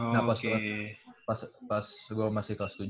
nah pas sebelum masih kelas tujuh